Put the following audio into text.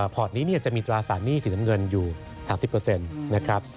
พอร์ตนี้จะมีตราสารหนี้สีน้ำเงินอยู่๓๐นะครับ